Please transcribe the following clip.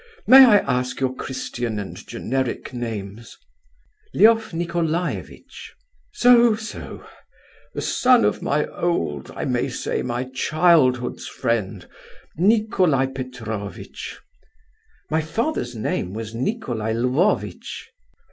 May I ask your Christian and generic names?" "Lef Nicolaievitch." "So, so—the son of my old, I may say my childhood's friend, Nicolai Petrovitch." "My father's name was Nicolai Lvovitch."